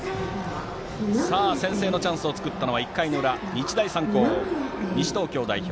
先制のチャンスを作ったのは１回の裏、日大三高西東京代表。